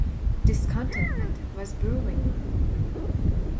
Discontentment was brewing.